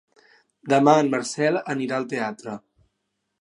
Demà en Marcel anirà al teatre.